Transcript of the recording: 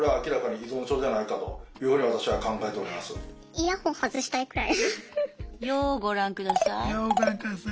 イヤホン外したいくらい。